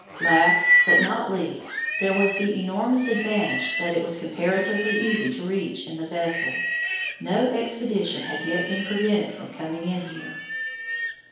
Last, but not least, there was the enormous advantage that it was comparatively easy to reach in the vessel. No expedition had yet been prevented from coming in here.